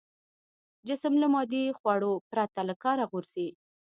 جسم له مادي خوړو پرته له کاره غورځي.